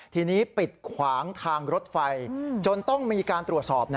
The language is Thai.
ทีนี้ปิดขวางทางรถไฟจนต้องมีการตรวจสอบ